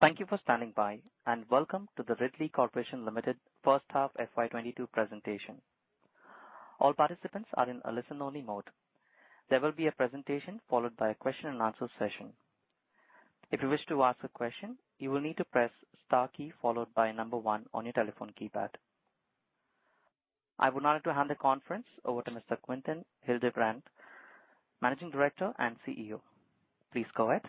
Thank you for standing by, and welcome to the Ridley Corporation Limited first half FY 2022 presentation. All participants are in a listen-only mode. There will be a presentation followed by a question and answer session. If you wish to ask a question, you will need to press star key followed by 1 on your telephone keypad. I would now like to hand the conference over to Mr. Quinton Hildebrand, Managing Director and CEO. Please go ahead.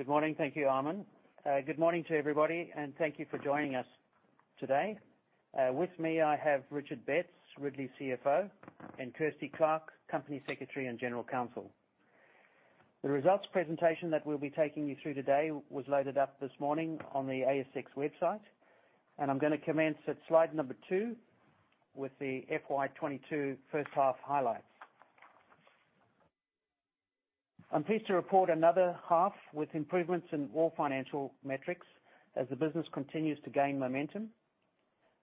Good morning. Thank you, Armand. Good morning to everybody, and thank you for joining us today. With me, I have Richard Betts, Ridley CFO, and Kirsty Clark, Company Secretary and General Counsel. The results presentation that we'll be taking you through today was loaded up this morning on the ASX website. I'm gonna commence at slide number 2 with the FY 2022 first half highlights. I'm pleased to report another half with improvements in all financial metrics as the business continues to gain momentum.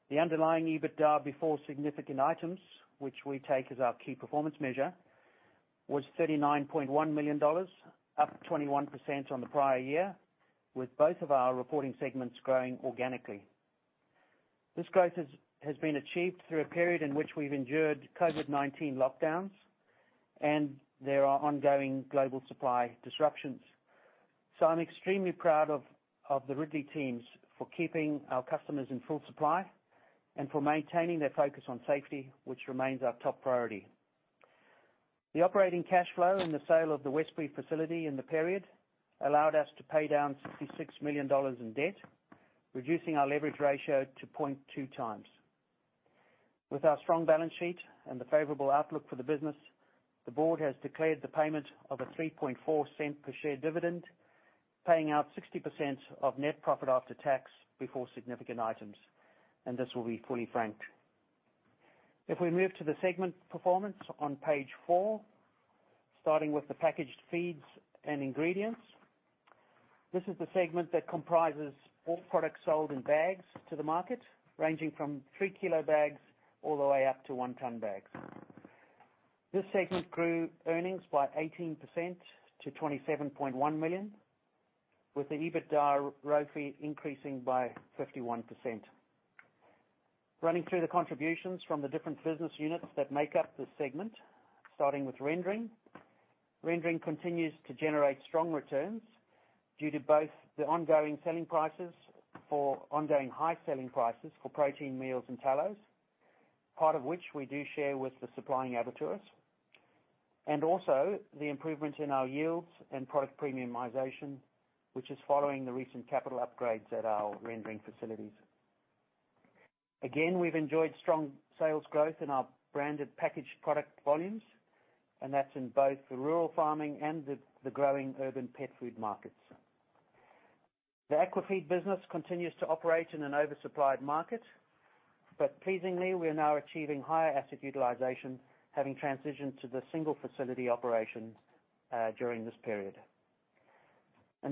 The underlying EBITDA before significant items, which we take as our key performance measure, was 39.1 million dollars, up 21% on the prior year, with both of our reporting segments growing organically. This growth has been achieved through a period in which we've endured COVID-19 lockdowns and there are ongoing global supply disruptions. I'm extremely proud of the Ridley teams for keeping our customers in full supply and for maintaining their focus on safety, which remains our top priority. The operating cash flow and the sale of the Westbury facility in the period allowed us to pay down 66 million dollars in debt, reducing our leverage ratio to 0.2 times. With our strong balance sheet and the favorable outlook for the business, the board has declared the payment of a 0.034 per share dividend, paying out 60% of net profit after tax before significant items, and this will be fully franked. If we move to the segment performance on page 4, starting with the packaged feeds and ingredients. This is the segment that comprises all products sold in bags to the market, ranging from 3-kilo bags all the way up to 1-ton bags. This segment grew earnings by 18% to 27.1 million, with the EBITDA ROFE increasing by 51%. Running through the contributions from the different business units that make up this segment, starting with rendering. Rendering continues to generate strong returns due to both the ongoing high selling prices for protein meals and tallows, part of which we do share with the supplying abattoirs, and also the improvements in our yields and product premiumization, which is following the recent capital upgrades at our rendering facilities. Again, we've enjoyed strong sales growth in our branded packaged product volumes, and that's in both the rural farming and the growing urban pet food markets. The aquafeed business continues to operate in an oversupplied market, but pleasingly, we are now achieving higher asset utilization, having transitioned to the single facility operations during this period.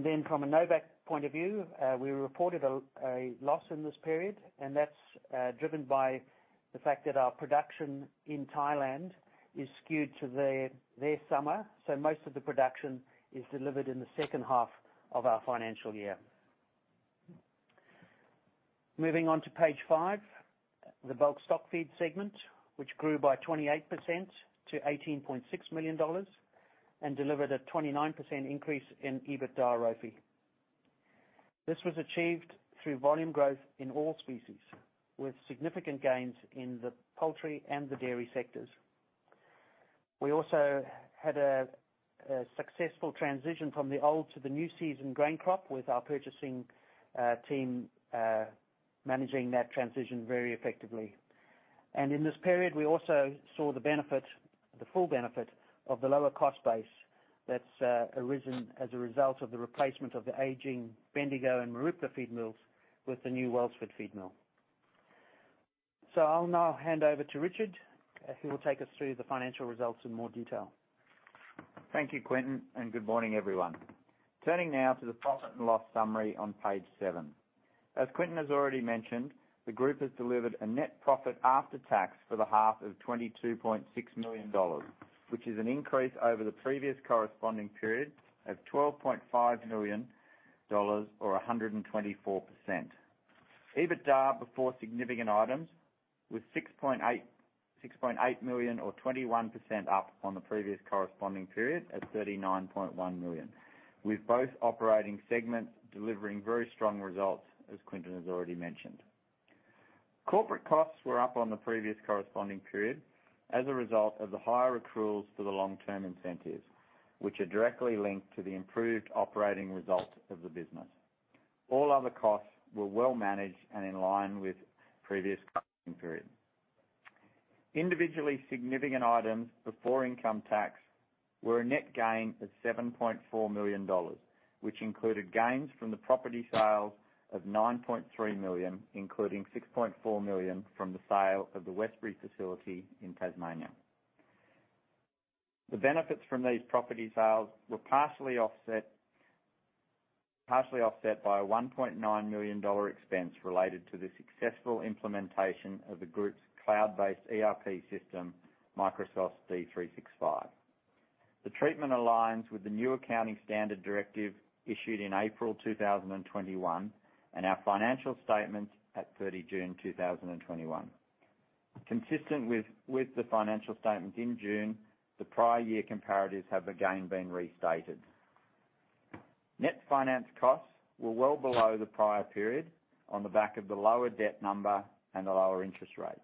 Then from a Novacq point of view, we reported a loss in this period, and that's driven by the fact that our production in Thailand is skewed to their summer. Most of the production is delivered in the second half of our financial year. Moving on to page 5, the bulk stockfeed segment, which grew by 28% to 18.6 million dollars and delivered a 29% increase in EBITDA ROFE. This was achieved through volume growth in all species, with significant gains in the poultry and the dairy sectors. We also had a successful transition from the old to the new season grain crop with our purchasing team managing that transition very effectively. In this period, we also saw the benefit, the full benefit of the lower cost base that's arisen as a result of the replacement of the aging Bendigo and Mooroopna feed mills with the new Wellsford feed mill. I'll now hand over to Richard, who will take us through the financial results in more detail. Thank you, Quinton, and good morning, everyone. Turning now to the profit and loss summary on page 7. As Quinton has already mentioned, the group has delivered a net profit after tax for the half of 22.6 million dollars, which is an increase over the previous corresponding period of 12.5 million dollars or 124%. EBITDA before significant items was 6.8 million or 21% up on the previous corresponding period at 39.1 million, with both operating segments delivering very strong results, as Quinton has already mentioned. Corporate costs were up on the previous corresponding period as a result of the higher accruals for the long-term incentives, which are directly linked to the improved operating results of the business. All other costs were well managed and in line with previous periods. Individually significant items before income tax were a net gain of 7.4 million dollars, which included gains from the property sales of 9.3 million, including 6.4 million from the sale of the Westbury facility in Tasmania. The benefits from these property sales were partially offset by a 1.9 million dollar expense related to the successful implementation of the group's cloud-based ERP system, Microsoft Dynamics 365. The treatment aligns with the new accounting standard directive issued in April 2021, and our financial statements at 30 June 2021. Consistent with the financial statement in June, the prior year comparatives have again been restated. Net finance costs were well below the prior period on the back of the lower debt number and the lower interest rates.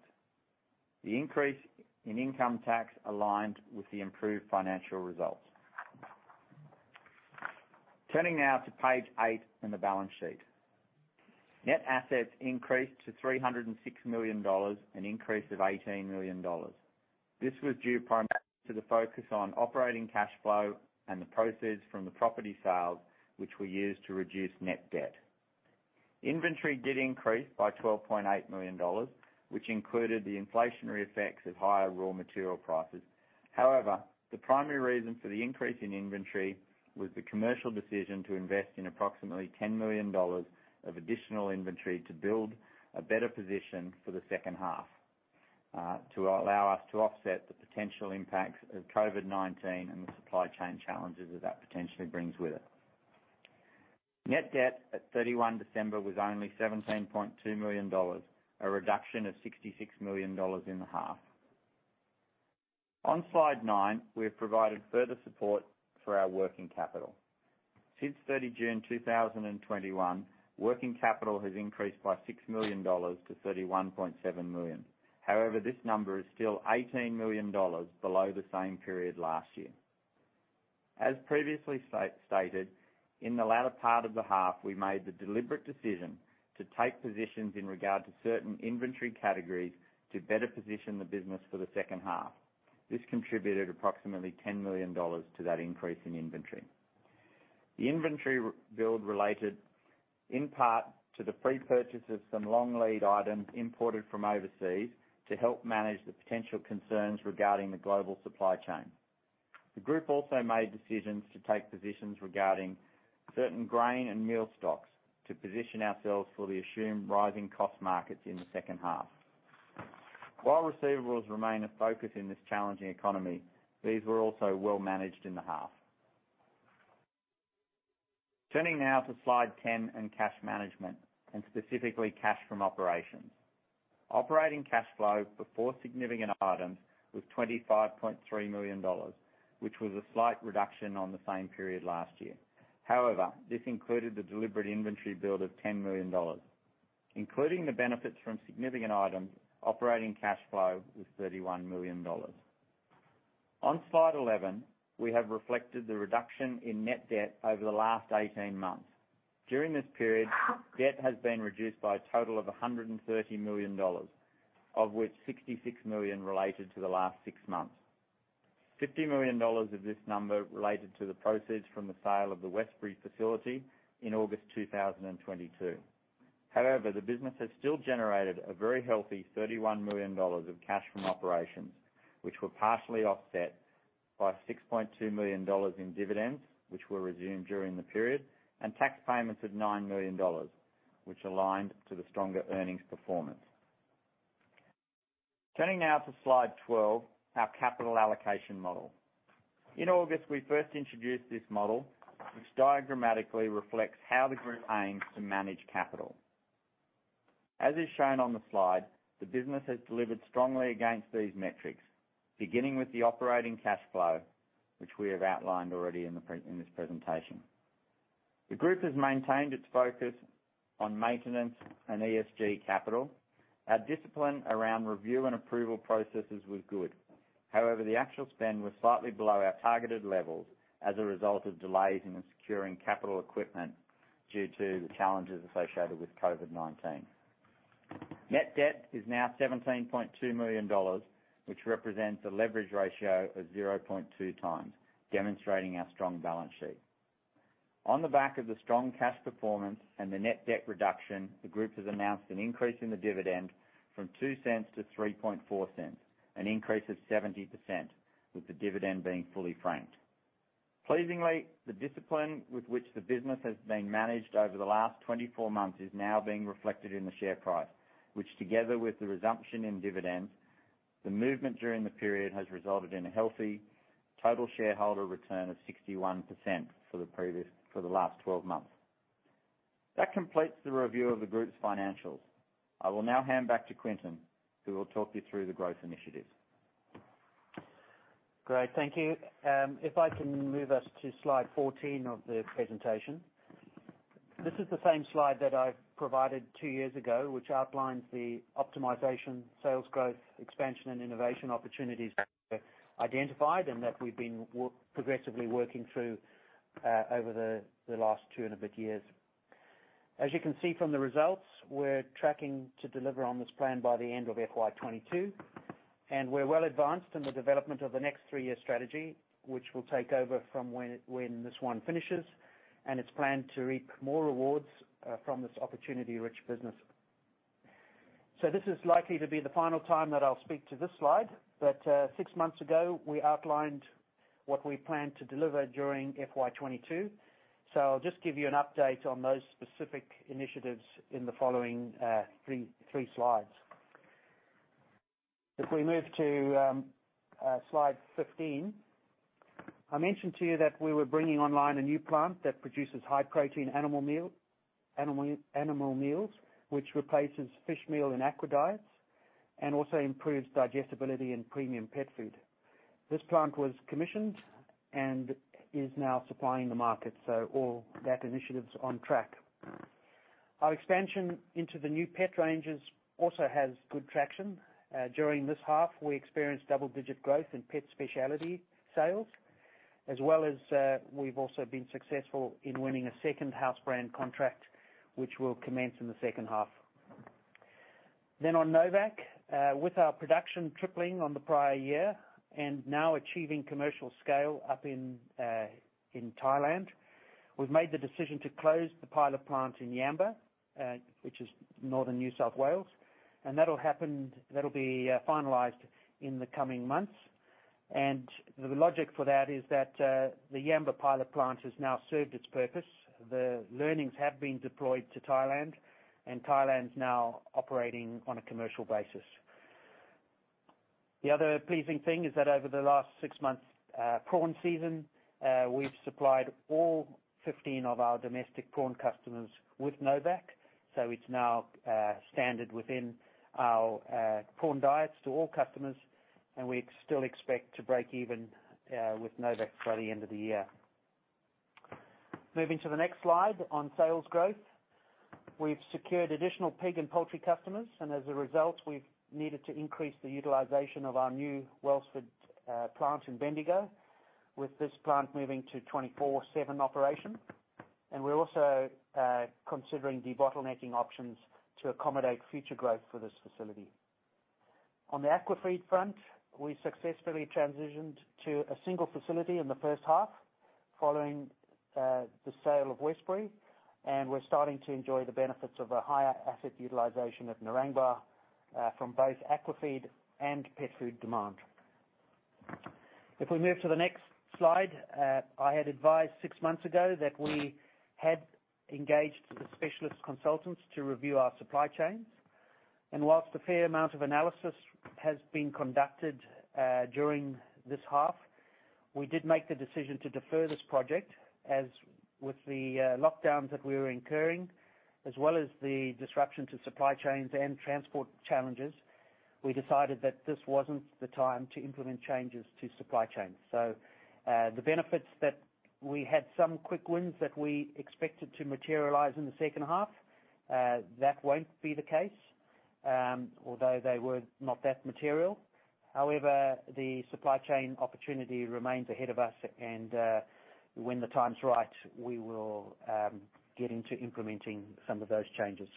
The increase in income tax aligned with the improved financial results. Turning now to page 8 in the balance sheet. Net assets increased to 306 million dollars, an increase of 18 million dollars. This was due primarily to the focus on operating cash flow and the proceeds from the property sales, which we used to reduce net debt. Inventory did increase by 12.8 million dollars, which included the inflationary effects of higher raw material prices. However, the primary reason for the increase in inventory was the commercial decision to invest in approximately 10 million dollars of additional inventory to build a better position for the second half, to allow us to offset the potential impacts of COVID-19 and the supply chain challenges that potentially brings with it. Net debt at 31 December was only AUD 17.2 million, a reduction of AUD 66 million in the half. On slide 9, we have provided further support for our working capital. Since 30 June 2021, working capital has increased by 6 million dollars to 31.7 million. However, this number is still 18 million dollars below the same period last year. As previously stated, in the latter part of the half, we made the deliberate decision to take positions in regard to certain inventory categories to better position the business for the second half. This contributed approximately 10 million dollars to that increase in inventory. The inventory rebuild related in part to the pre-purchase of some long lead items imported from overseas to help manage the potential concerns regarding the global supply chain. The group also made decisions to take positions regarding certain grain and meal stocks to position ourselves for the assumed rising cost markets in the second half. While receivables remain a focus in this challenging economy, these were also well managed in the half. Turning now to slide 10 in cash management, and specifically cash from operations. Operating cash flow before significant items was 25.3 million dollars, which was a slight reduction on the same period last year. However, this included the deliberate inventory build of 10 million dollars. Including the benefits from significant items, operating cash flow was 31 million dollars. On slide 11, we have reflected the reduction in net debt over the last 18 months. During this period, debt has been reduced by a total of 130 million dollars, of which 66 million related to the last six months. 50 million dollars of this number related to the proceeds from the sale of the Westbury facility in August 2022. However, the business has still generated a very healthy 31 million dollars of cash from operations, which were partially offset by 6.2 million dollars in dividends, which were resumed during the period, and tax payments of 9 million dollars, which aligned to the stronger earnings performance. Turning now to slide 12, our capital allocation model. In August, we first introduced this model, which diagrammatically reflects how the group aims to manage capital. As is shown on the slide, the business has delivered strongly against these metrics, beginning with the operating cash flow, which we have outlined already in this presentation. The group has maintained its focus on maintenance and ESG capital. Our discipline around review and approval processes was good. However, the actual spend was slightly below our targeted levels as a result of delays in securing capital equipment due to the challenges associated with COVID-19. Net debt is now 17.2 million dollars, which represents a leverage ratio of 0.2x, demonstrating our strong balance sheet. On the back of the strong cash performance and the net debt reduction, the group has announced an increase in the dividend from 0.02 to 0.034, an increase of 70%, with the dividend being fully franked. Pleasingly, the discipline with which the business has been managed over the last 24 months is now being reflected in the share price, which together with the resumption in dividends, the movement during the period has resulted in a healthy total shareholder return of 61% for the last 12 months. That completes the review of the group's financials. I will now hand back to Quinton, who will talk you through the growth initiatives. Great, thank you. If I can move us to slide 14 of the presentation. This is the same slide that I provided two years ago, which outlines the optimization, sales growth, expansion, and innovation opportunities that we identified and that we've been progressively working through over the last two and a bit years. As you can see from the results, we're tracking to deliver on this plan by the end of FY 2022, and we're well advanced in the development of the next three-year strategy, which will take over from when this one finishes, and it's planned to reap more rewards from this opportunity-rich business. This is likely to be the final time that I'll speak to this slide, but six months ago, we outlined what we plan to deliver during FY 2022. I'll just give you an update on those specific initiatives in the following three slides. If we move to slide 15, I mentioned to you that we were bringing online a new plant that produces high protein animal meals, which replaces fish meal in aqua diets and also improves digestibility in premium pet food. This plant was commissioned and is now supplying the market, so all that initiative's on track. Our expansion into the new pet ranges also has good traction. During this half, we experienced double-digit growth in pet specialty sales, as well as we've also been successful in winning a second house brand contract, which will commence in the second half. On Novacq, with our production tripling on the prior year and now achieving commercial scale up in Thailand, we've made the decision to close the pilot plant in Yamba, which is northern New South Wales. That'll be finalized in the coming months. The logic for that is that the Yamba pilot plant has now served its purpose. The learnings have been deployed to Thailand, and Thailand is now operating on a commercial basis. The other pleasing thing is that over the last six months, prawn season, we've supplied all 15 of our domestic prawn customers with Novacq. It's now standard within our prawn diets to all customers, and we still expect to break even with Novacq by the end of the year. Moving to the next slide on sales growth. We've secured additional pig and poultry customers, and as a result, we've needed to increase the utilization of our new Wellsford plant in Bendigo, with this plant moving to 24/7 operation. We're also considering debottlenecking options to accommodate future growth for this facility. On the aquafeed front, we successfully transitioned to a single facility in the first half following the sale of Westbury, and we're starting to enjoy the benefits of a higher asset utilization at Narangba from both aquafeed and pet food demand. If we move to the next slide, I had advised six months ago that we had engaged with specialist consultants to review our supply chains. While a fair amount of analysis has been conducted during this half, we did make the decision to defer this project. As with the lockdowns that we were incurring, as well as the disruption to supply chains and transport challenges, we decided that this wasn't the time to implement changes to supply chain. The benefits that we had some quick wins that we expected to materialize in the second half, that won't be the case, although they were not that material. However, the supply chain opportunity remains ahead of us, and when the time's right, we will get into implementing some of those changes.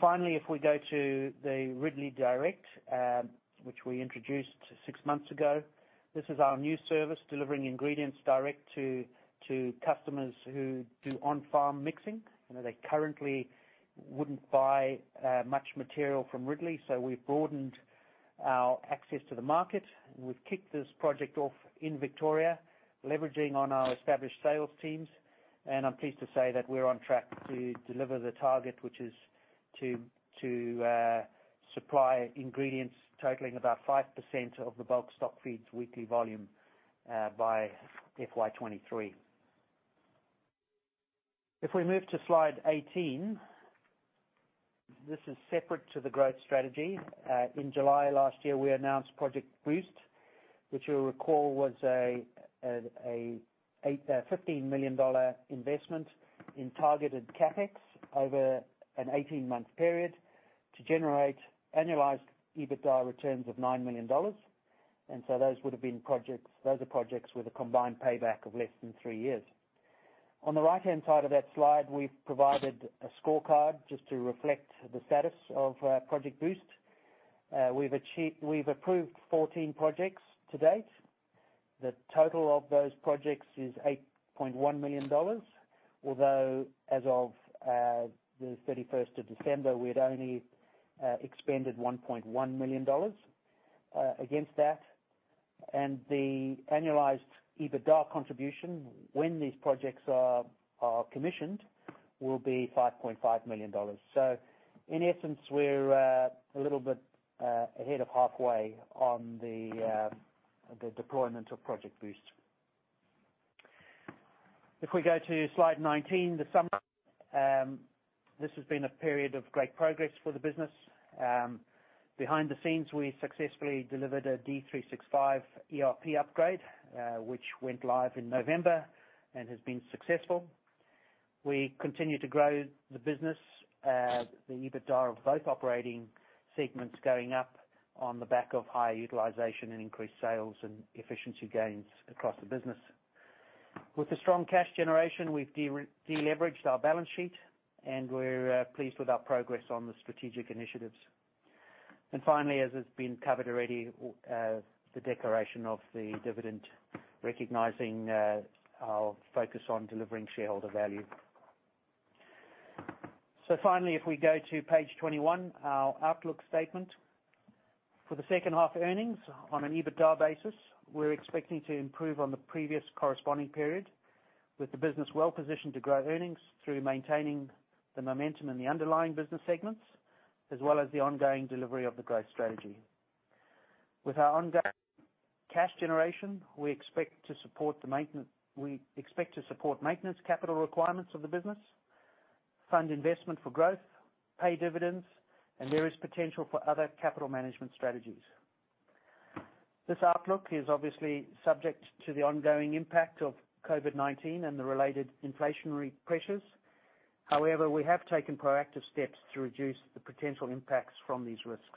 Finally, if we go to the Ridley DIRECT, which we introduced six months ago, this is our new service, delivering ingredients direct to customers who do on-farm mixing. You know, they currently wouldn't buy much material from Ridley, so we've broadened our access to the market. We've kicked this project off in Victoria, leveraging on our established sales teams, and I'm pleased to say that we're on track to deliver the target, which is to supply ingredients totaling about 5% of the bulk stockfeed's weekly volume by FY 2023. If we move to slide 18, this is separate to the growth strategy. In July last year, we announced Project Boost, which you'll recall was a fifteen million dollar investment in targeted CapEx over an 18-month period to generate annualized EBITDA returns of nine million dollars. Those are projects with a combined payback of less than three years. On the right-hand side of that slide, we've provided a scorecard just to reflect the status of Project Boost. We've approved 14 projects to date. The total of those projects is 8.1 million dollars, although as of the thirty-first of December, we had only expended 1.1 million dollars against that. The annualized EBITDA contribution when these projects are commissioned will be 5.5 million dollars. In essence, we're a little bit ahead of halfway on the deployment of Project Boost. If we go to slide 19, the summary. This has been a period of great progress for the business. Behind the scenes, we successfully delivered a Dynamics 365 ERP upgrade, which went live in November and has been successful. We continue to grow the business as the EBITDA of both operating segments going up on the back of higher utilization and increased sales and efficiency gains across the business. With the strong cash generation, we've deleveraged our balance sheet, and we're pleased with our progress on the strategic initiatives. Finally, as has been covered already, the declaration of the dividend recognizing our focus on delivering shareholder value. Finally, if we go to page 21, our outlook statement. For the second half earnings on an EBITDA basis, we're expecting to improve on the previous corresponding period with the business well-positioned to grow earnings through maintaining the momentum in the underlying business segments, as well as the ongoing delivery of the growth strategy. With our ongoing cash generation, we expect to support maintenance capital requirements of the business, fund investment for growth, pay dividends, and there is potential for other capital management strategies. This outlook is obviously subject to the ongoing impact of COVID-19 and the related inflationary pressures. However, we have taken proactive steps to reduce the potential impacts from these risks.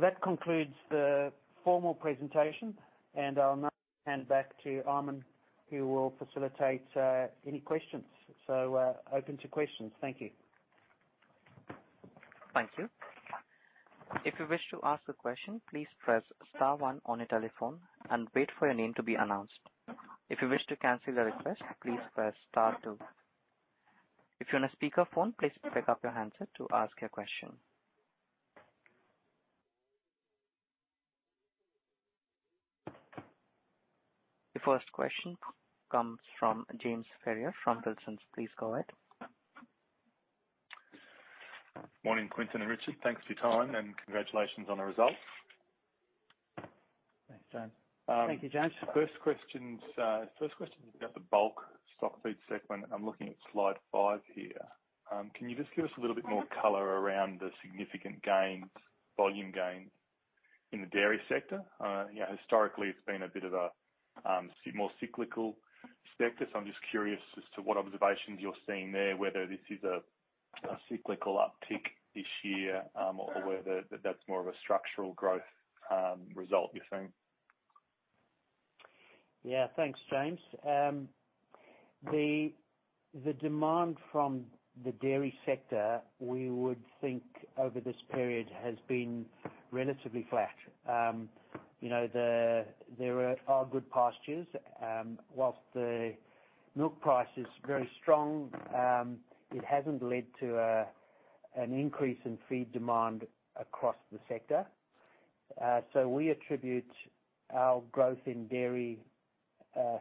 That concludes the formal presentation, and I'll now hand back to Arman, who will facilitate any questions. Open to questions. Thank you. Thank you, if you wish to ask a question, please press star one on your telephone and wait for your name to be announced, if you wish to cancel your request, please press star two, if you are on speakerphone please pick up your hand to ask your question. The first question comes from James Ferrier from Wilsons. Please go ahead. Morning, Quinton and Richard. Thanks for your time, and congratulations on the results. Thanks, James. Thank you, James. First question's about the bulk stockfeed segment. I'm looking at slide 5 here. Can you just give us a little bit more color around the significant gains, volume gains in the dairy sector? Yeah, historically, it's been a bit of a semi-cyclical sector, so I'm just curious as to what observations you're seeing there, whether this is a cyclical uptick this year, or whether that's more of a structural growth result you're seeing. Yeah. Thanks, James. The demand from the dairy sector, we would think over this period has been relatively flat. You know, there are good pastures. While the milk price is very strong, it hasn't led to an increase in feed demand across the sector. We attribute our growth in dairy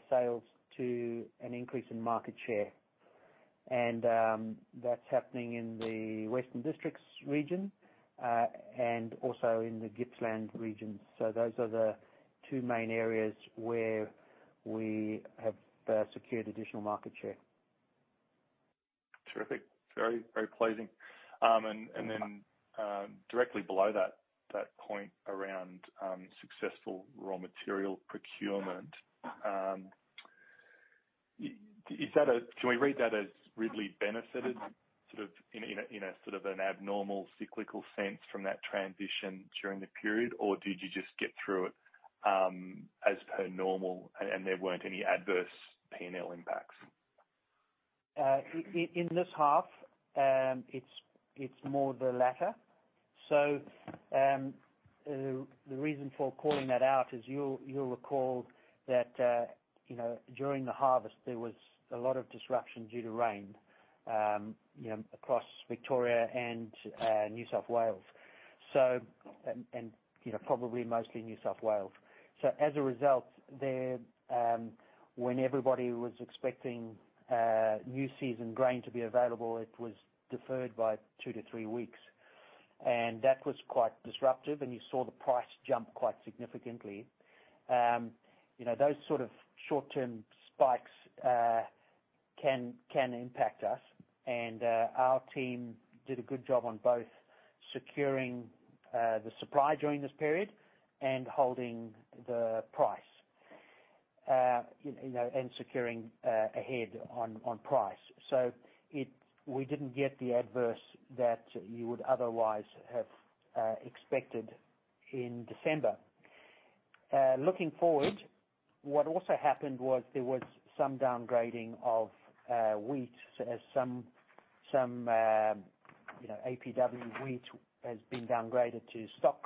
sales to an increase in market share. That's happening in the Western Districts region, and also in the Gippsland region. Those are the two main areas where we have secured additional market share. Terrific. Very, very pleasing. Directly below that point around successful raw material procurement, can we read that as Ridley benefited sort of in a sort of an abnormal cyclical sense from that transition during the period? Or did you just get through it, as per normal and there weren't any adverse P&L impacts? In this half, it's more the latter. The reason for calling that out is you'll recall that, you know, during the harvest, there was a lot of disruption due to rain, you know, across Victoria and New South Wales, and you know, probably mostly New South Wales. As a result there, when everybody was expecting new season grain to be available, it was deferred by two to three weeks. That was quite disruptive, and you saw the price jump quite significantly. You know, those sort of short-term spikes can impact us. Our team did a good job on both securing the supply during this period and holding the price, you know, and securing ahead on price. We didn't get the adverse that you would otherwise have expected in December. Looking forward, what also happened was there was some downgrading of wheat. As some, you know, APW wheat has been downgraded to stock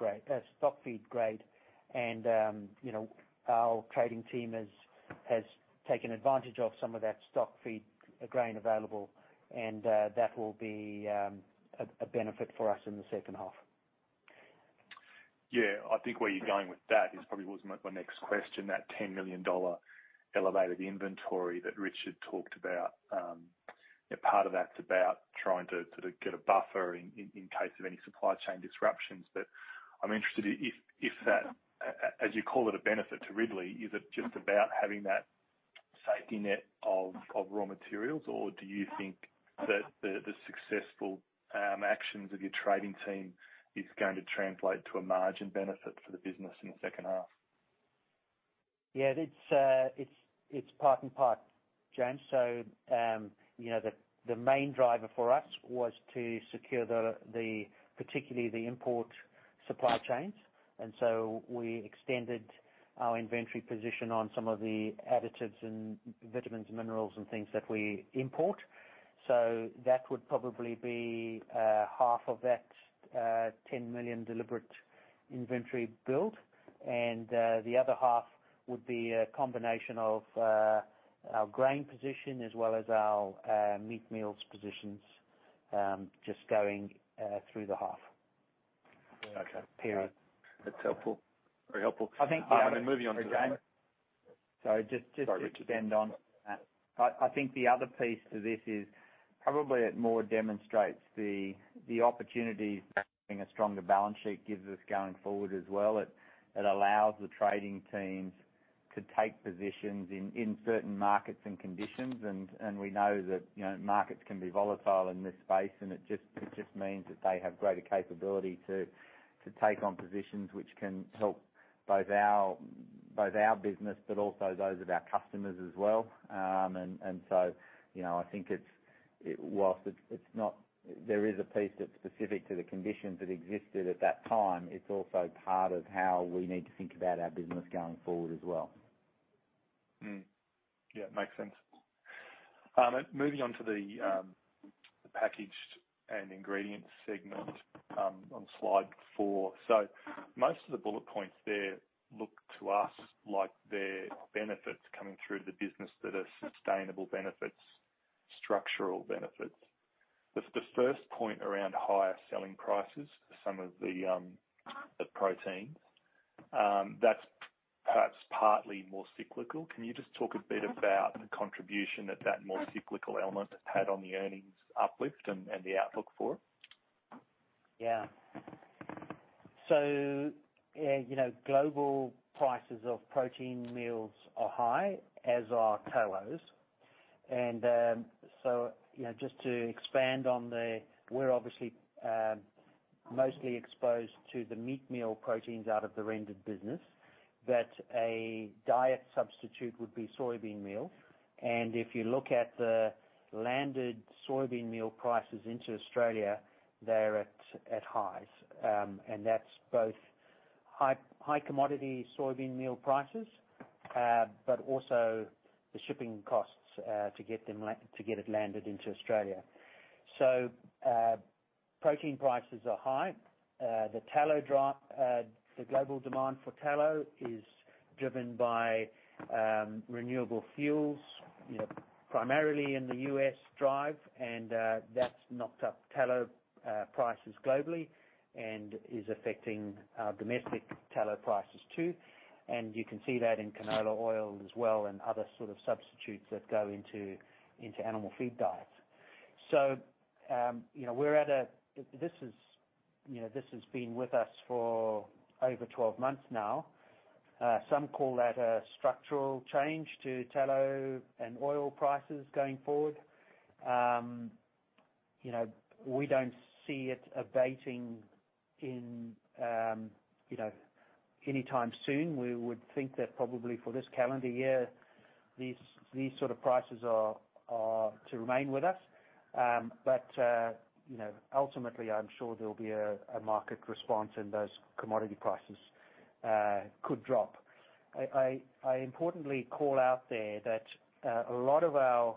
feed grade. You know, our trading team has taken advantage of some of that stock feed grain available, and that will be a benefit for us in the second half. Yeah. I think where you're going with that is probably what was my next question, that 10 million dollar elevated inventory that Richard talked about. You know, part of that's about trying to sort of get a buffer in case of any supply chain disruptions. But I'm interested if that, as you call it, a benefit to Ridley, is it just about having that safety net of raw materials? Or do you think that the successful actions of your trading team is going to translate to a margin benefit for the business in the second half? Yeah. It's part and part, James. You know, the main driver for us was to secure the particularly the import supply chains. We extended our inventory position on some of the additives and vitamins, minerals and things that we import. That would probably be half of that 10 million deliberate inventory build. The other half would be a combination of our grain position as well as our meat meals positions just going through the half. Okay. Period. That's helpful. Very helpful. I think. Moving on to the other. Sorry, just to expand on that. Sorry, Quinton. I think the other piece to this is probably it more demonstrates the opportunities having a stronger balance sheet gives us going forward as well. It allows the trading teams to take positions in certain markets and conditions. We know that, you know, markets can be volatile in this space, and it just means that they have greater capability to take on positions which can help both our business, but also those of our customers as well. So, you know, I think there is a piece that's specific to the conditions that existed at that time, it's also part of how we need to think about our business going forward as well. Yeah, makes sense. Moving on to the packaged and Ingredients segment on slide 4. Most of the bullet points there look to us like they're benefits coming through to the business that are sustainable benefits, structural benefits. The first point around higher selling prices for some of the protein, that's perhaps partly more cyclical. Can you just talk a bit about the contribution that that more cyclical element had on the earnings uplift and the outlook for it? Yeah, you know, global prices of protein meals are high, as are tallows. You know, just to expand on, we're obviously mostly exposed to the meat meal proteins out of the rendered business that a direct substitute would be soybean meal. If you look at the landed soybean meal prices into Australia, they're at highs. That's both high commodity soybean meal prices, but also the shipping costs to get it landed into Australia. Protein prices are high. The global demand for tallow is driven by renewable fuels, you know, primarily in the U.S. drive. That's knocked up tallow prices globally and is affecting our domestic tallow prices too. You can see that in canola oil as well and other sort of substitutes that go into animal feed diets. You know, this has been with us for over 12 months now. Some call that a structural change to tallow and oil prices going forward. You know, we don't see it abating anytime soon. We would think that probably for this calendar year, these sort of prices are to remain with us. You know, ultimately, I'm sure there'll be a market response, and those commodity prices could drop. I importantly call out there that a lot of our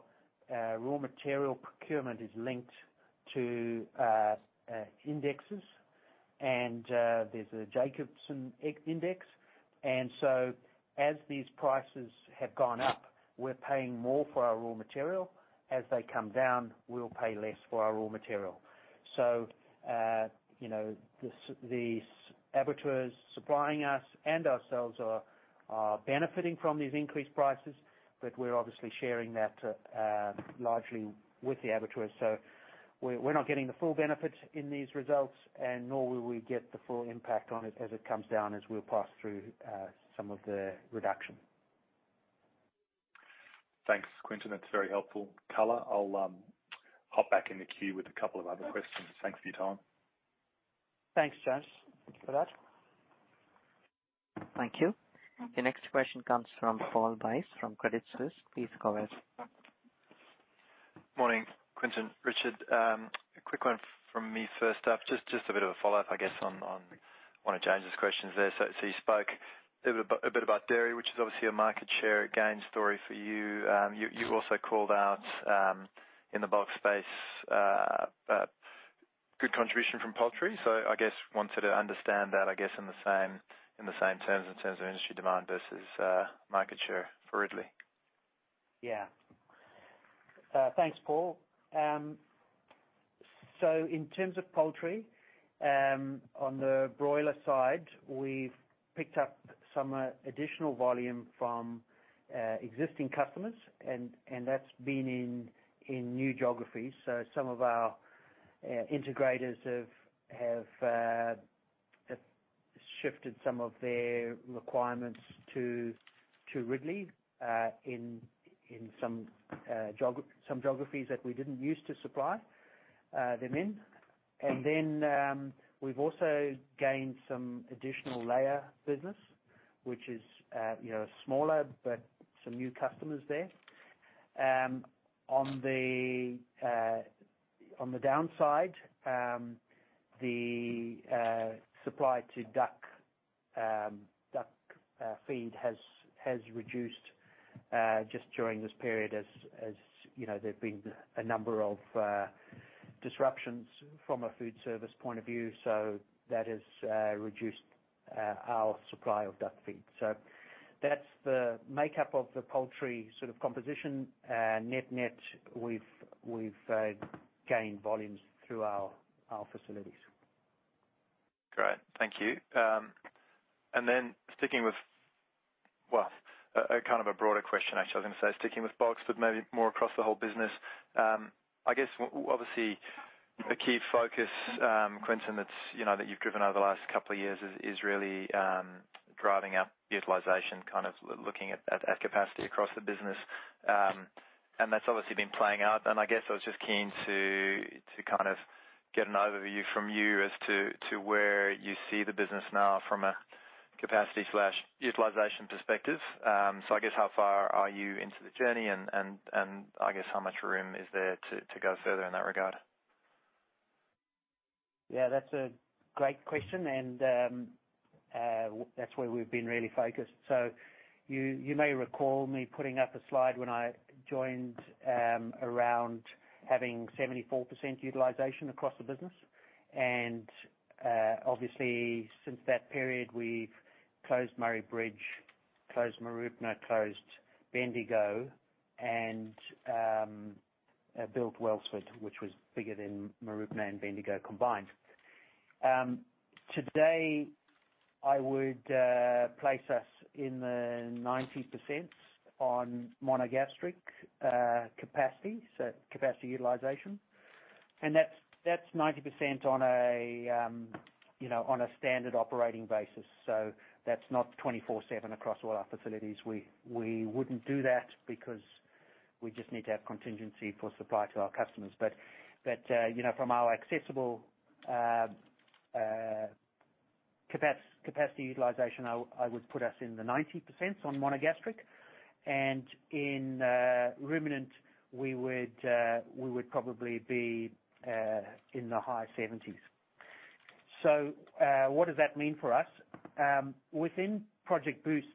raw material procurement is linked to indexes and there's a Jacobsen e-index. As these prices have gone up, we're paying more for our raw material. As they come down, we'll pay less for our raw material. You know, these abattoirs supplying us and ourselves are benefiting from these increased prices, but we're obviously sharing that largely with the abattoirs. We're not getting the full benefit in these results, and nor will we get the full impact on it as it comes down as we'll pass through some of the reduction. Thanks, Quinton. That's very helpful color. I'll hop back in the queue with a couple of other questions. Thanks for your time. Thanks, James, for that. Thank you. The next question comes from Paul Buys from Credit Suisse. Please go ahead. Morning, Quinton, Richard. A quick one from me first up. Just a bit of a follow-up, I guess, on one of James' questions there. You spoke a bit about dairy, which is obviously a market share gain story for you. You also called out in the bulk space a good contribution from poultry. I guess I wanted to understand that, I guess, in the same terms, in terms of industry demand versus market share for Ridley. Yeah. Thanks, Paul. In terms of poultry, on the broiler side, we've picked up some additional volume from existing customers and that's been in new geographies. Some of our integrators have shifted some of their requirements to Ridley in some geographies that we didn't use to supply them in. Then, we've also gained some additional layer business, which is, you know, smaller, but some new customers there. On the downside, the supply to duck feed has reduced just during this period as, you know, there've been a number of disruptions from a food service point of view. That has reduced our supply of duck feed. That's the makeup of the poultry sort of composition. Net-net, we've gained volumes through our facilities. Great. Thank you. Well, kind of a broader question, actually. I was gonna say sticking with Boost, maybe more across the whole business. I guess obviously the key focus, Quinton, that's you know that you've driven over the last couple of years is really driving up utilization, kind of looking at capacity across the business. That's obviously been playing out. I guess I was just keen to kind of get an overview from you as to where you see the business now from a capacity/utilization perspective. I guess, how far are you into the journey and I guess how much room is there to go further in that regard? Yeah, that's a great question and, that's where we've been really focused. You may recall me putting up a slide when I joined, around having 74% utilization across the business. Obviously since that period, we've closed Murray Bridge, closed Mooroopna, closed Bendigo, and built Wellsford, which was bigger than Mooroopna and Bendigo combined. Today I would place us in the 90% on monogastric, capacity, so capacity utilization. That's 90% on a, you know, on a standard operating basis. That's not 24/7 across all our facilities. We wouldn't do that because we just need to have contingency for supply to our customers. You know, from our accessible capacity utilization, I would put us in the 90% on monogastric. In ruminant, we would probably be in the high 70s%. What does that mean for us? Within Project Boost,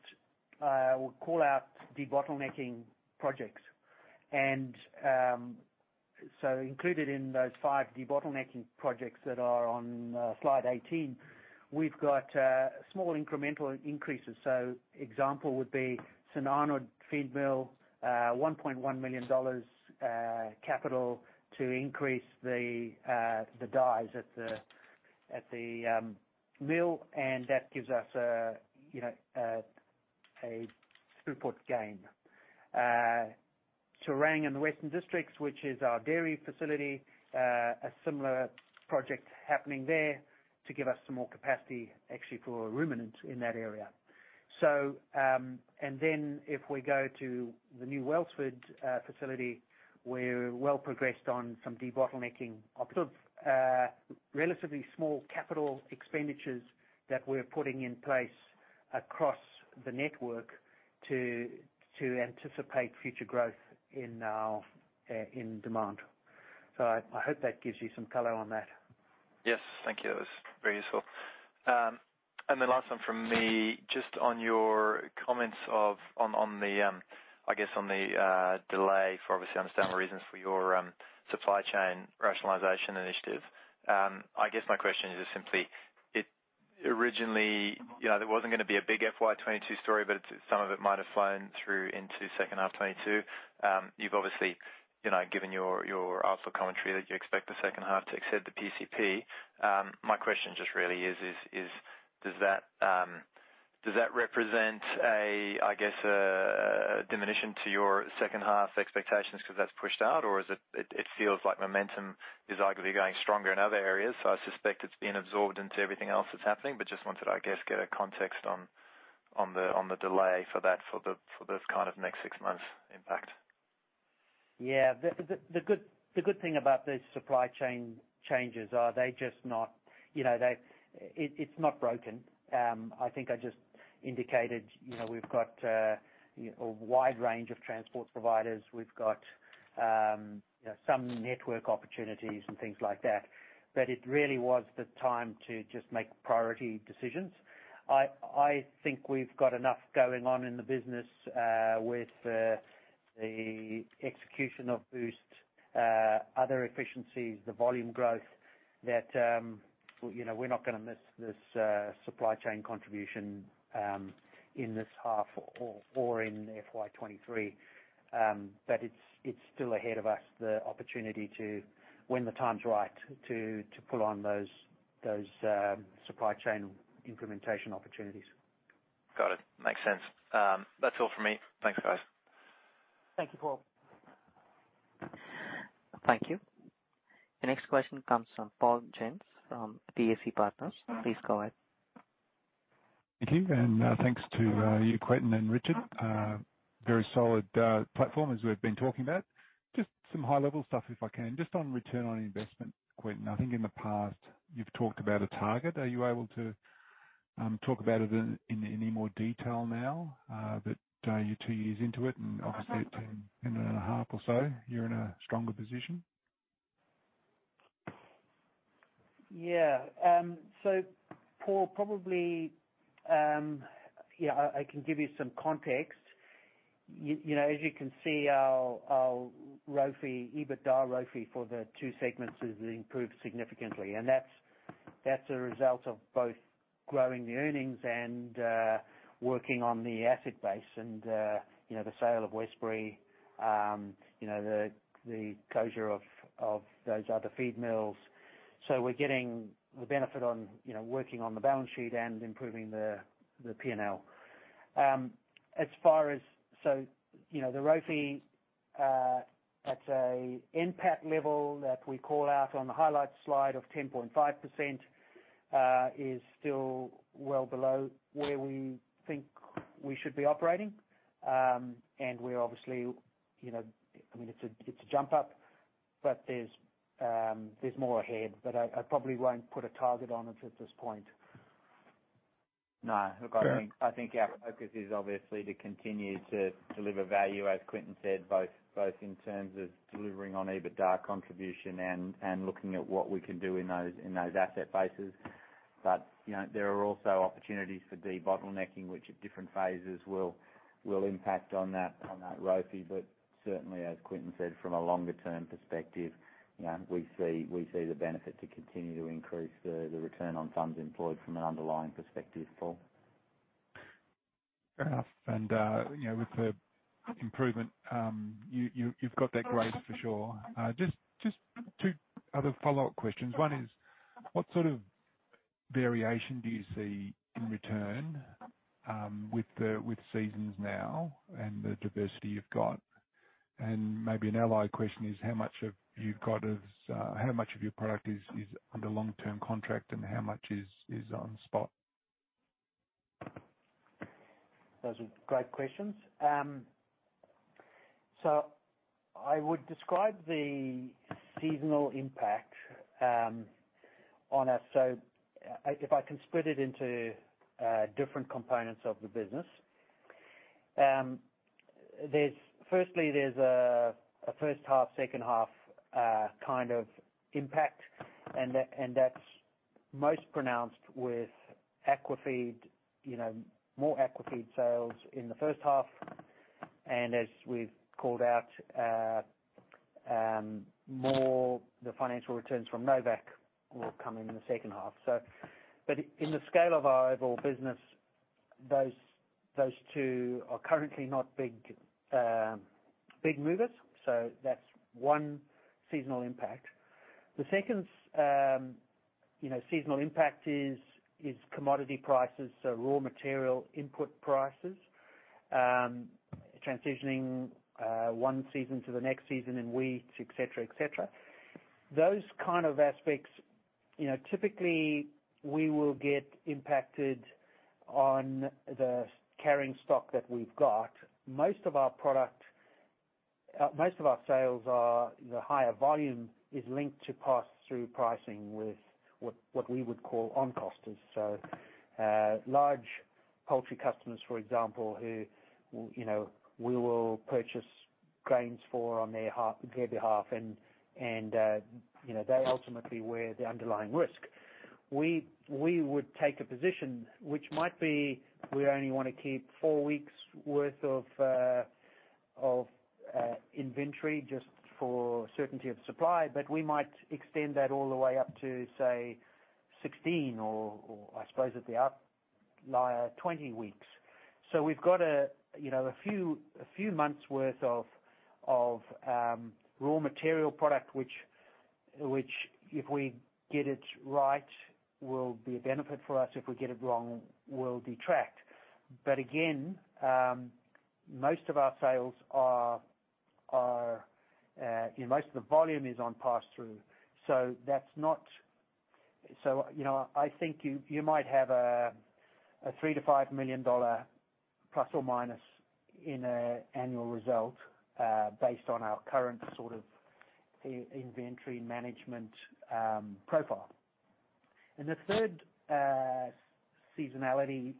we'll call out debottlenecking projects. Included in those five debottlenecking projects that are on slide 18, we've got small incremental increases. Example would be St Arnaud Feed Mill, 1.1 million dollars capital to increase the dies at the mill, and that gives us, you know, a throughput gain. Terang in the western districts, which is our dairy facility, a similar project happening there to give us some more capacity actually for ruminant in that area. If we go to the new Welshpool facility, we're well progressed on some debottlenecking ops. Relatively small capital expenditures that we're putting in place across the network to anticipate future growth in demand. I hope that gives you some color on that. Yes. Thank you. That was very useful. The last one from me, just on your comments on the delay for obviously understandable reasons for your supply chain rationalization initiative. I guess my question is just simply, it originally, you know, there wasn't gonna be a big FY 2022 story, but some of it might have flown through into second half 2022. You've obviously, you know, given your outlook commentary that you expect the second half to exceed the PCP. My question just really is, does that represent a, I guess a diminution to your second half expectations 'cause that's pushed out? Or is it feels like momentum is arguably going stronger in other areas. I suspect it's being absorbed into everything else that's happening. Just wanted to, I guess, get a context on the delay for this kind of next six months impact. The good thing about these supply chain changes is that it's not broken. I think I just indicated, you know, we've got a wide range of transport providers. We've got some network opportunities and things like that. It really was the time to just make priority decisions. I think we've got enough going on in the business with the execution of Boost, other efficiencies, the volume growth that, you know, we're not gonna miss this supply chain contribution in this half or in FY 2023. It's still ahead of us, the opportunity to, when the time's right, to pull on those supply chain implementation opportunities. Got it. Makes sense. That's all for me. Thanks, guys. Thank you, Paul. Thank you. The next question comes from Paul van der Knaap from TSK Partners. Please go ahead. Thank you, and thanks to you, Quinton and Richard. Very solid platform as we've been talking about. Just some high level stuff, if I can. Just on return on investment, Quinton, I think in the past, you've talked about a target. Are you able to talk about it in any more detail now that you're two years into it and obviously In another half or so, you're in a stronger position. Paul, probably, yeah, I can give you some context. You know, as you can see our ROFE, EBITDA ROFE for the two segments is improved significantly. That's a result of both growing the earnings and working on the asset base and you know, the sale of Westbury, you know, the closure of those other feed mills. We're getting the benefit on working on the balance sheet and improving the P&L. As far as you know, the ROFE at a NPAT level that we call out on the highlights slide of 10.5% is still well below where we think we should be operating. We're obviously you know. I mean, it's a jump up, but there's more ahead. I probably won't put a target on it at this point. No. Look, I think. Fair. I think our focus is obviously to continue to deliver value, as Quinton said, both in terms of delivering on EBITDA contribution and looking at what we can do in those asset bases. You know, there are also opportunities for debottlenecking, which at different phases will impact on that ROFE. Certainly, as Quinton said, from a longer term perspective, you know, we see the benefit to continue to increase the return on funds employed from an underlying perspective, Paul. Fair enough. You know, with the improvement, you've got that grade for sure. Just two other follow-up questions. One is, what sort of variation do you see in return with seasons now and the diversity you've got? Maybe an allied question is how much of your product is under long-term contract, and how much is on spot? Those are great questions. I would describe the seasonal impact on us. If I can split it into different components of the business. Firstly, there's a first half, second half kind of impact, and that's most pronounced with aqua feed, you know, more aqua feed sales in the first half. As we've called out, more the financial returns from Novacq™ will come in the second half. But in the scale of our overall business, those two are currently not big movers, so that's one seasonal impact. The second, you know, seasonal impact is commodity prices, so raw material input prices transitioning one season to the next season in wheat, et cetera. Those kind of aspects, you know, typically we will get impacted on the carrying stock that we've got. Most of our sales are, you know, higher volume is linked to pass-through pricing with what we would call on-costers. Large poultry customers, for example, who, you know, we will purchase grains for on their behalf and, you know, they ultimately wear the underlying risk. We would take a position which might be we only wanna keep 4 weeks' worth of inventory just for certainty of supply, but we might extend that all the way up to, say, 16 or I suppose at the outlier, 20 weeks. We've got a, you know, a few months worth of raw material product, which if we get it right, will be a benefit for us. If we get it wrong, will detract. Again, most of our sales are, you know, most of the volume is on pass through. That's not. You know, I think you might have a 3 million-5 million dollar plus or minus in an annual result, based on our current sort of inventory management profile. The third seasonality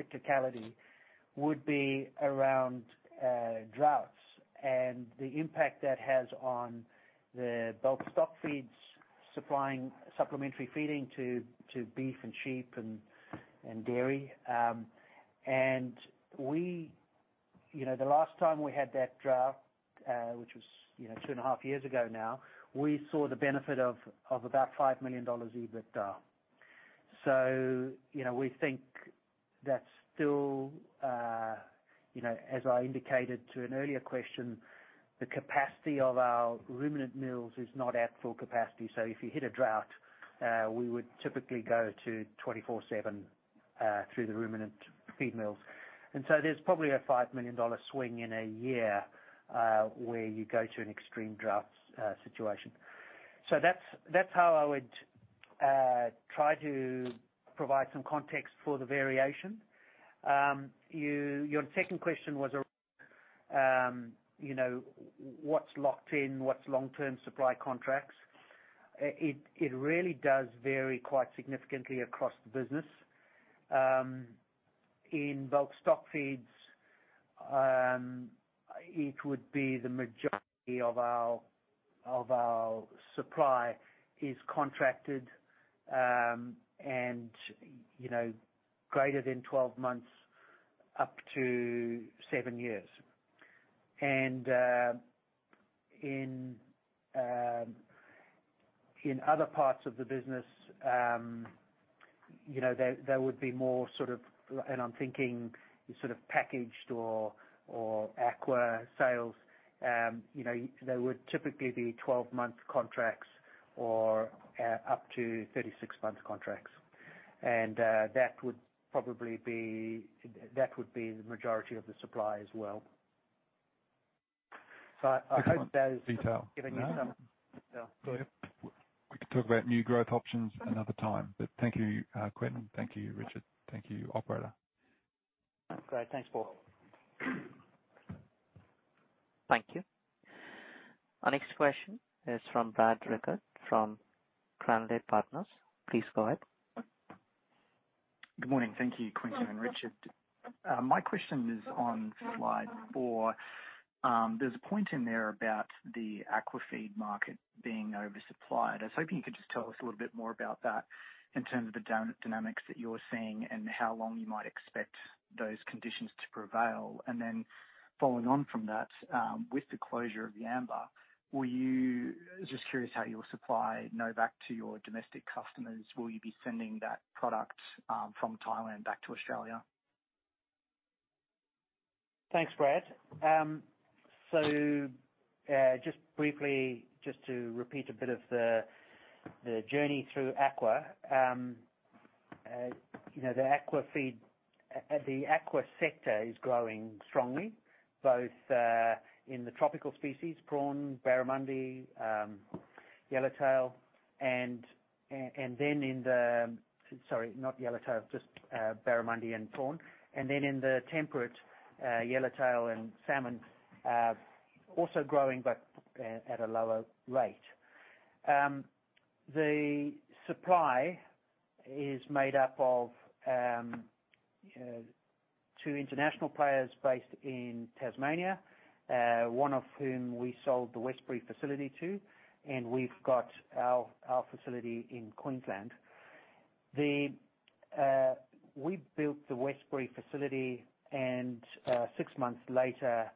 cyclicality would be around droughts and the impact that has on the bulk stock feeds supplying supplementary feeding to beef and sheep and dairy. We, you know, the last time we had that drought, which was, you know, two and a half years ago now, we saw the benefit of about 5 million dollars EBITDA. We think that's still, you know, as I indicated to an earlier question, the capacity of our ruminant mills is not at full capacity. If you hit a drought, we would typically go to 24/7 through the ruminant feed mills. There's probably a 5 million dollar swing in a year, where you go to an extreme drought situation. That's how I would try to provide some context for the variation. Your second question was around, you know, what's locked in, what's long-term supply contracts, it really does vary quite significantly across the business. In bulk stockfeed, it would be the majority of our supply is contracted, and you know, greater than 12 months up to 7 years. In other parts of the business, you know, there would be more sort of packaged or aqua sales, you know, they would typically be 12-month contracts or up to 36-month contracts. That would be the majority of the supply as well. I hope that is- Excellent detail. Giving you some. No. Yeah. We can talk about new growth options another time, but thank you, Quinton. Thank you, Richard. Thank you, operator. Great. Thanks, Paul. Thank you. Our next question is from Brad Glick from Cranleigh Partners. Please go ahead. Good morning. Thank you, Quinton and Richard. My question is on slide four. There's a point in there about the aqua feed market being oversupplied. I was hoping you could just tell us a little bit more about that in terms of the dynamics that you're seeing and how long you might expect those conditions to prevail. Following on from that, with the closure of the Yamba, just curious how you will supply Novacq™ to your domestic customers. Will you be sending that product from Thailand back to Australia? Thanks, Brad. So, just briefly, just to repeat a bit of the journey through aqua, you know, the aqua feed, the aqua sector is growing strongly, both in the tropical species, prawn, barramundi, yellowtail, and then in the temperate. Sorry, not yellowtail, just barramundi and prawn. In the temperate, yellowtail and salmon, also growing but at a lower rate. The supply is made up of two international players based in Tasmania, one of whom we sold the Westbury facility to, and we've got our facility in Queensland. We built the Westbury facility, and six months later,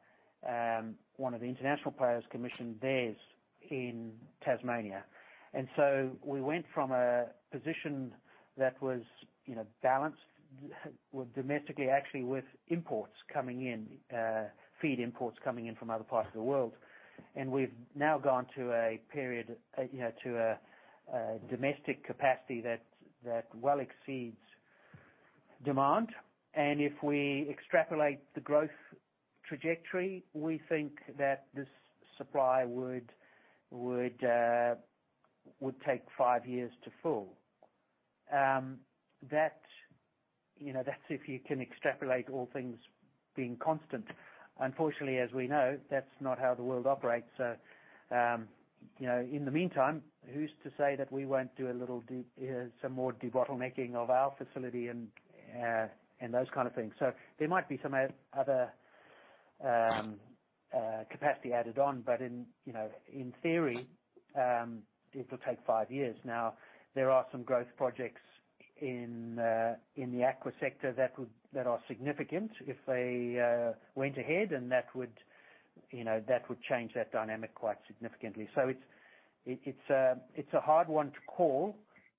one of the international players commissioned theirs in Tasmania. We went from a position that was, you know, balanced domestically, actually, with imports coming in, feed imports coming in from other parts of the world. We've now gone to a period, you know, to a domestic capacity that well exceeds demand. If we extrapolate the growth trajectory, we think that this supply would take five years to fill. You know, that's if you can extrapolate all things being constant. Unfortunately, as we know, that's not how the world operates. You know, in the meantime, who's to say that we won't do some more debottlenecking of our facility and those kind of things. There might be some other capacity added on, but, you know, in theory, it'll take five years. Now, there are some growth projects in the aqua sector that are significant if they went ahead, and that would change that dynamic quite significantly. It's a hard one to call,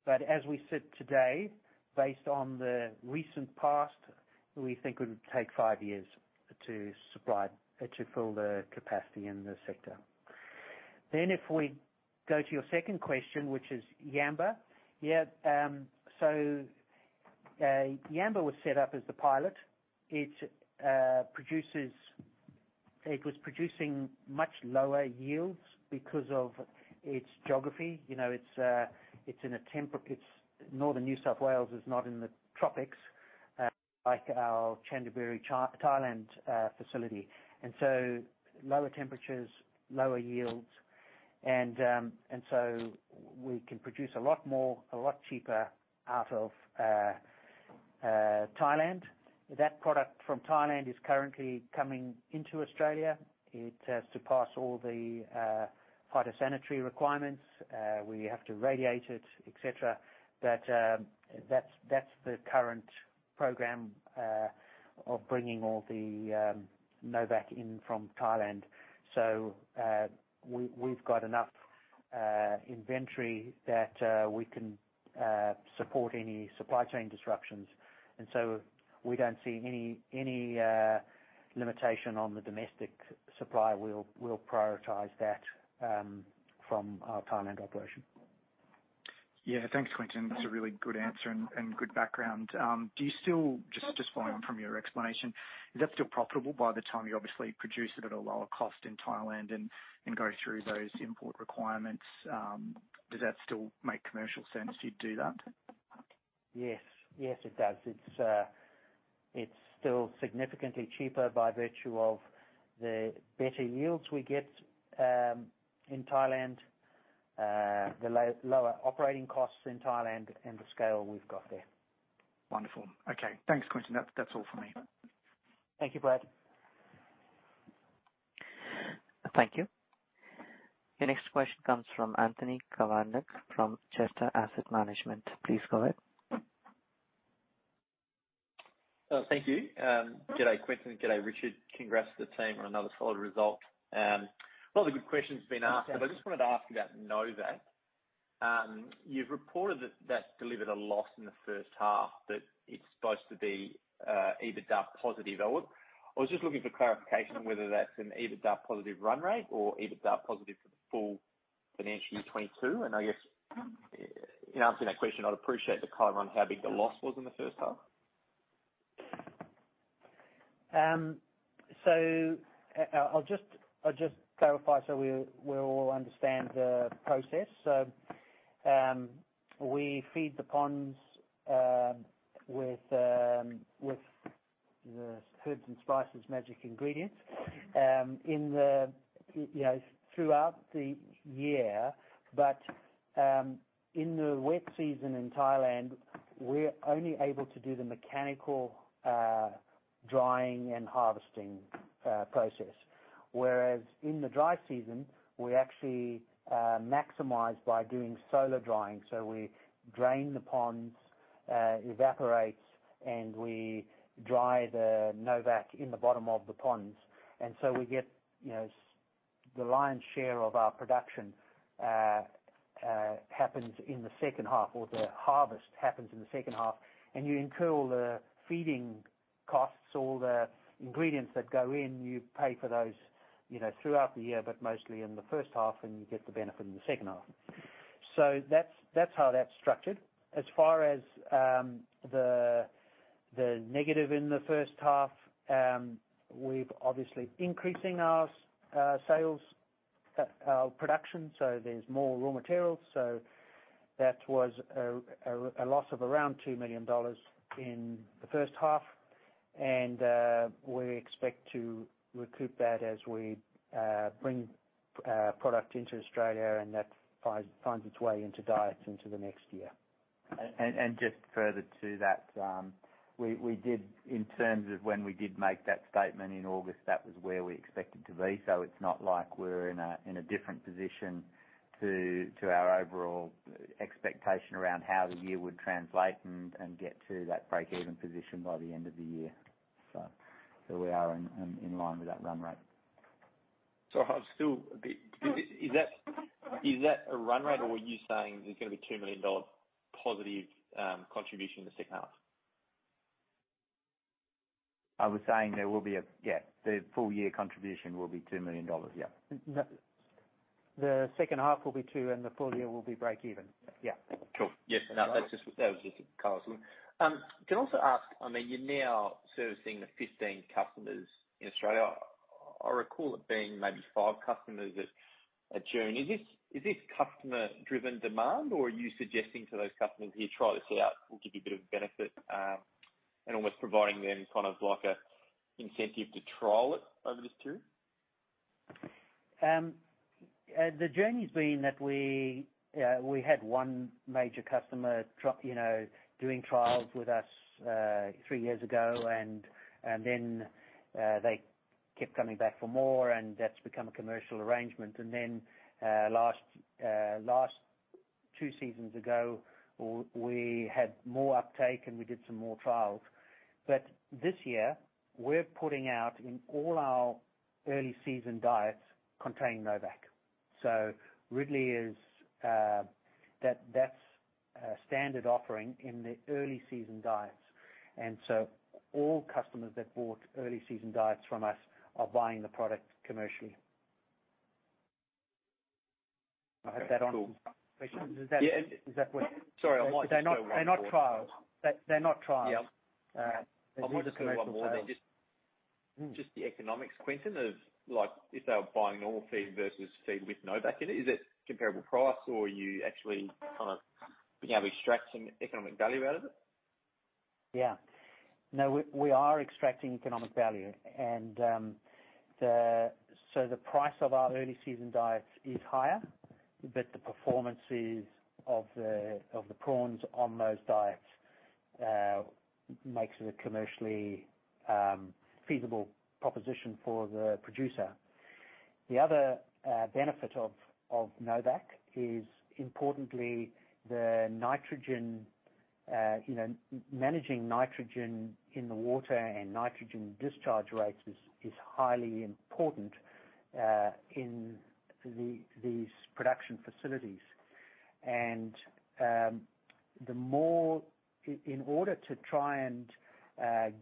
but as we sit today, based on the recent past, we think it would take five years to fill the capacity in the sector. If we go to your second question, which is Yamba was set up as the pilot. It was producing much lower yields because of its geography. It's in a temperate, northern New South Wales is not in the tropics, like our Chanthaburi, Thailand, facility. Lower temperatures, lower yields, and so we can produce a lot more, a lot cheaper out of Thailand. That product from Thailand is currently coming into Australia. It has to pass all the phytosanitary requirements. We have to radiate it, et cetera, but that's the current program of bringing all the Novacq™ in from Thailand. We've got enough inventory that we can support any supply chain disruptions. We don't see any limitation on the domestic supply. We'll prioritize that from our Thailand operation. Yeah. Thanks, Quinton. That's a really good answer and good background. Do you still, just following from your explanation, is that still profitable by the time you obviously produce it at a lower cost in Thailand and go through those import requirements, does that still make commercial sense to do that? Yes. Yes, it does. It's still significantly cheaper by virtue of the better yields we get in Thailand. The lower operating costs in Thailand and the scale we've got there. Wonderful. Okay. Thanks, Quinton. That's all for me. Thank you, Brad. Thank you. Your next question comes from Anthony Kavanagh from Chester Asset Management. Please go ahead. Thank you. Good day, Quinton. Good day, Richard. Congrats to the team on another solid result. A lot of good questions have been asked. Thank you. I just wanted to ask you about Novacq. You've reported that that's delivered a loss in the first half, but it's supposed to be EBITDA positive. I was just looking for clarification on whether that's an EBITDA positive run rate or EBITDA positive for the full financial year 2022. I guess in answering that question, I'd appreciate the color on how big the loss was in the first half. I'll just clarify so we all understand the process. We feed the ponds with the herbs and spices magic ingredients, you know, throughout the year. But in the wet season in Thailand, we're only able to do the mechanical drying and harvesting process. Whereas in the dry season, we actually maximize by doing solar drying. We drain the ponds, evaporates, and we dry the Novacq in the bottom of the ponds. We get, you know, the lion's share of our production happens in the second half, or the harvest happens in the second half. You incur all the feeding costs, all the ingredients that go in, you pay for those, you know, throughout the year, but mostly in the first half, and you get the benefit in the second half. That's how that's structured. As far as the negative in the first half, we've obviously increasing our sales production, so there's more raw materials. That was a loss of around 2 million dollars in the first half. We expect to recoup that as we bring product into Australia and that finds its way into diets into the next year. Just further to that, in terms of when we did make that statement in August, that was where we expected to be. It's not like we're in a different position to our overall expectation around how the year would translate and get to that break-even position by the end of the year. We are in line with that run rate. Sorry, I'm still a bit Is that a run rate or are you saying there's gonna be 2 million dollar positive contribution in the second half? I was saying the full year contribution will be 2 million dollars, yeah. Nothing. The second half will be two, and the full year will be break even. Yeah. Cool. Yes. No, that was just. All right. Can I also ask, I mean, you're now servicing the 15 customers in Australia. I recall it being maybe five customers at June. Is this customer-driven demand or are you suggesting to those customers, "Here, try this out, we'll give you a bit of benefit," and almost providing them kind of like an incentive to trial it over this period? The journey's been that we had one major customer try, you know, doing trials with us three years ago. Then they kept coming back for more, and that's become a commercial arrangement. Last two seasons ago we had more uptake, and we did some more trials. This year we're putting out in all our early season diets containing Novacq. Ridley is that that's a standard offering in the early season diets. All customers that bought early season diets from us are buying the product commercially. I hope that answers. Okay, cool. the question. Does that Yeah. Is that what- Sorry, I might just throw one more. They're not trials. Yeah. These are commercial sales. I wanted to know one more then. Just the economics, Quinton, of like if they were buying normal feed versus feed with Novacq in it, is it comparable price or are you actually kinda being able to extract some economic value out of it? Yeah. No, we are extracting economic value. The price of our early season diets is higher, but the performance of the prawns on those diets makes it a commercially feasible proposition for the producer. The other benefit of Novacq is importantly the nitrogen. You know, managing nitrogen in the water and nitrogen discharge rates is highly important in these production facilities. In order to try and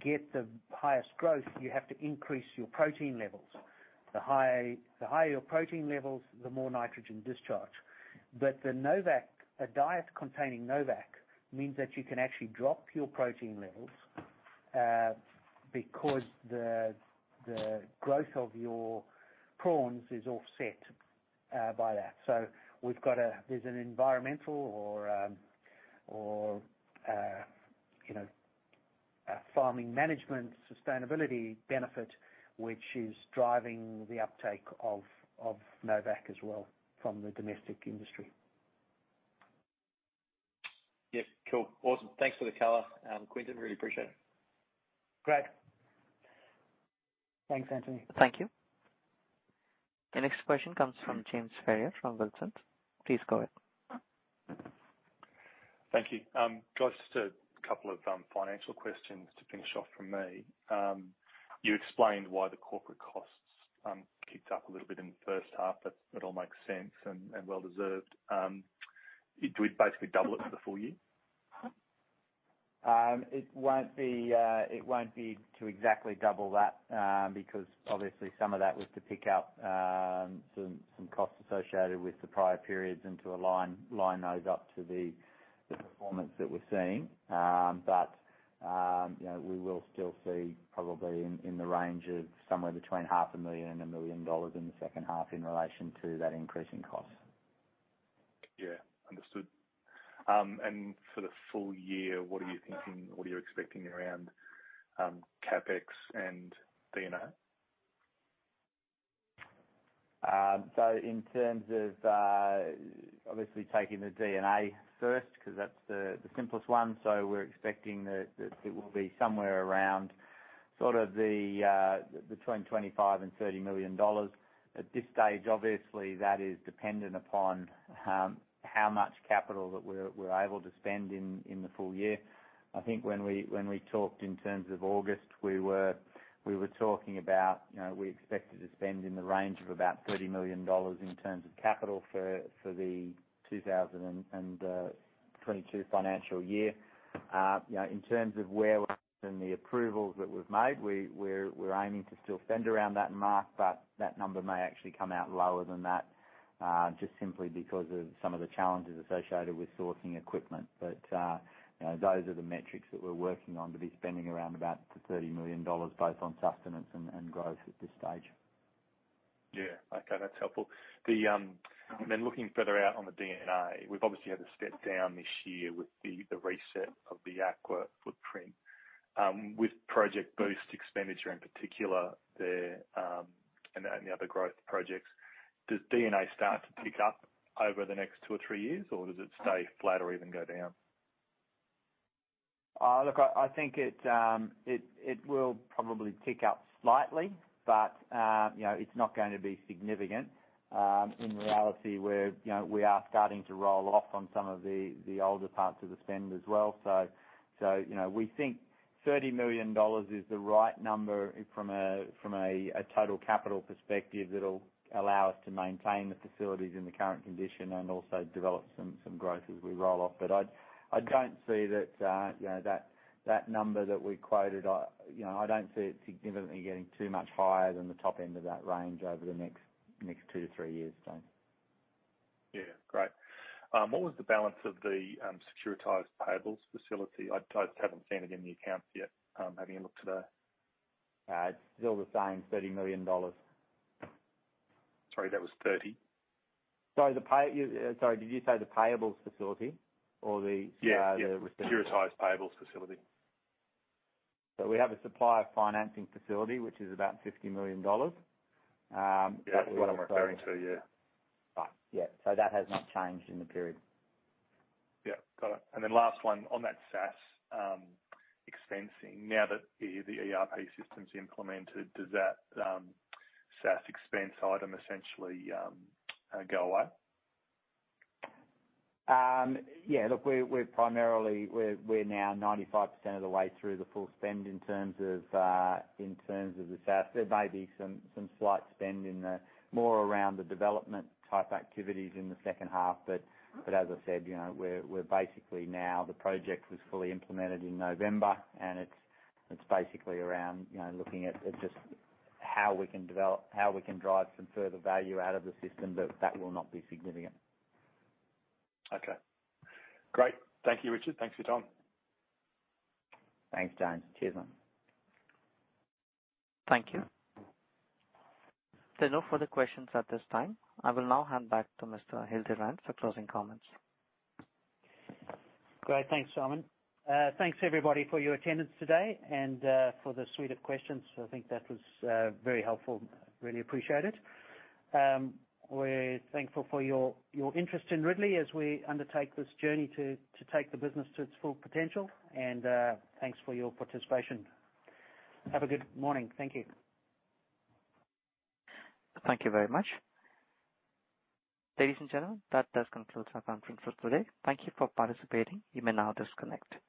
get the highest growth, you have to increase your protein levels. The higher your protein levels, the more nitrogen discharge. But the Novacq, a diet containing Novacq means that you can actually drop your protein levels because the growth of your prawns is offset. We've got an environmental or, you know, a farming management sustainability benefit which is driving the uptake of Novacq™ as well from the domestic industry. Yes. Cool. Awesome. Thanks for the color, Quinton. I really appreciate it. Great. Thanks, Anthony. Thank you. The next question comes from James Ferrier from Wilsons. Please go ahead. Thank you. Just a couple of financial questions to finish off from me. You explained why the corporate costs kicked up a little bit in the first half. That all makes sense and well-deserved. Do we basically double it for the full year? It won't be to exactly double that, because obviously some of that was to pick up some costs associated with the prior periods and to align those up to the performance that we're seeing. You know, we will still see probably in the range of somewhere between AUD half a million and 1 million dollars in the second half in relation to that increase in cost. Yeah. Understood. For the full year, what are you thinking? What are you expecting around CapEx and D&A? In terms of obviously taking the D&A first because that's the simplest one. We're expecting that it will be somewhere around sort of the between 25 million and 30 million dollars. At this stage, obviously, that is dependent upon how much capital that we're able to spend in the full year. I think when we talked in terms of August, we were talking about, you know, we expected to spend in the range of about 30 million dollars in terms of capital for the 2022 financial year. You know, in terms of where we are and the approvals that we've made, we're aiming to still spend around that mark, but that number may actually come out lower than that, just simply because of some of the challenges associated with sourcing equipment. You know, those are the metrics that we're working on, to be spending around about 30 million dollars, both on sustenance and growth at this stage. Yeah. Okay. That's helpful. Looking further out on the D&A, we've obviously had to step down this year with the reset of the Aqua footprint, with Project Boost expenditure in particular there, and the other growth projects. Does D&A start to pick up over the next two or three years, or does it stay flat or even go down? Look, I think it will probably tick up slightly, but you know, it's not going to be significant. In reality, you know, we are starting to roll off on some of the older parts of the spend as well. So you know, we think 30 million dollars is the right number from a total capital perspective. It'll allow us to maintain the facilities in the current condition and also develop some growth as we roll off. But I don't see that you know that number that we quoted, you know, I don't see it significantly getting too much higher than the top end of that range over the next 2 to 3 years, James. Yeah. Great. What was the balance of the securitized payables facility? I haven't seen it in the accounts yet. Having a look today. It's still the same 30 million dollars. Sorry, that was 30? Sorry, did you say the payables facility or the? Yeah, yeah. The securitized- Securitized payables facility. We have a supplier financing facility, which is about 50 million dollars. That's what I'm referring to. Yeah. That's what I'm referring to. Yeah. Right. Yeah. That has not changed in the period. Yeah. Got it. Last one on that SaaS expensing. Now that the ERP system's implemented, does that SaaS expense item essentially go away? Yeah, look, we're primarily now 95% of the way through the full spend in terms of the SaaS. There may be some slight spend more around the development type activities in the second half, but as I said, you know, we're basically now the project was fully implemented in November and it's basically around, you know, looking at just how we can develop, how we can drive some further value out of the system, but that will not be significant. Okay. Great. Thank you, Richard. Thanks for your time. Thanks, James. Cheers then. Thank you. There are no further questions at this time. I will now hand back to Mr. Hildebrand for closing comments. Great. Thanks, Simon. Thanks everybody for your attendance today and for the suite of questions. I think that was very helpful. Really appreciate it. We're thankful for your interest in Ridley as we undertake this journey to take the business to its full potential. Thanks for your participation. Have a good morning. Thank you. Thank you very much. Ladies and gentlemen, that does conclude our conference call today. Thank you for participating. You may now disconnect.